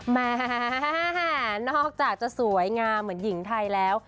แม่นอกจากจะสวยงามเหมือนหญิงไทยแล้ว